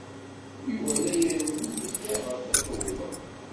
Yuba la irennu tifyar ɣer Tatoeba.